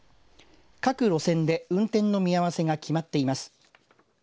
各路線で運転の見合わせが決まっています。